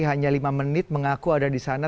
hanya lima menit mengaku ada disana